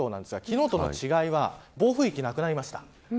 昨日との違いは暴風域がなくなりました。